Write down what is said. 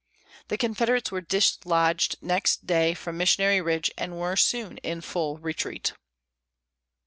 The Confederates were dislodged next day from Missionary Ridge and were soon in full retreat.